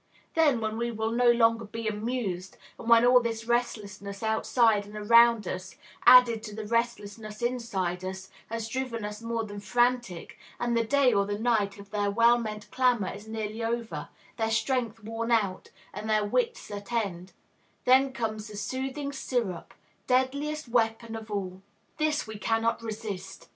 Then, when we will no longer be "amused," and when all this restlessness outside and around us, added to the restlessness inside us, has driven us more than frantic, and the day or the night of their well meant clamor is nearly over, their strength worn out, and their wits at end, then comes the "soothing syrup," deadliest weapon of all. This we cannot resist.